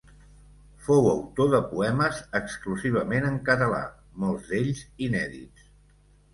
Fou autor de poemes exclusivament en català, molts d'ells inèdits.